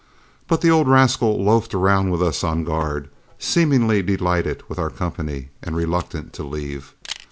But the old rascal loafed around with us on guard, seemingly delighted with our company and reluctant to leave.